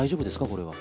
これは。